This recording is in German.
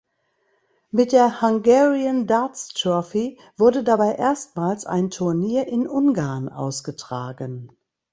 Mit der Hungarian Darts Trophy wurde dabei erstmals ein Turnier in Ungarn ausgetragen.